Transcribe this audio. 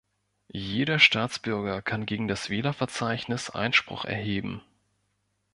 Jeder Staatsbürger kann gegen das Wählerverzeichnis Einspruch erheben.